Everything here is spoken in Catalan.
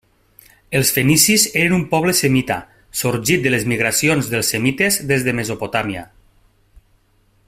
Els fenicis eren un poble semita sorgit de les migracions dels semites des de Mesopotàmia.